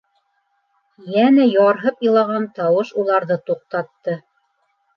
Йәнә ярһып илаған тауыш уларҙы туҡтатты.